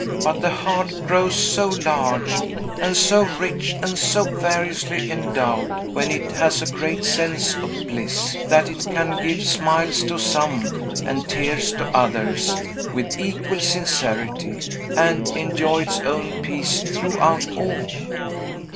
"But the heart grows so large, and so rich, and so variously endowed, when it has a great sense of bliss, that it can give smiles to some, and tears to others, with equal sincerity, and enjoy its own peace throughout all."